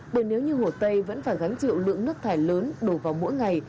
bởi nếu như hồ tây vẫn phải gánh chịu lượng nước thải lớn đổ vào mỗi ngày